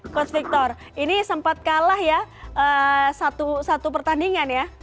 coach victor ini sempat kalah ya satu pertandingan ya